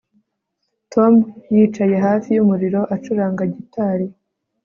Tom yicaye hafi yumuriro acuranga gitari